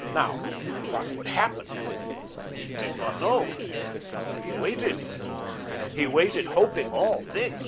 Now, what would happen? He did not know. He waited. He waited, hoping all things.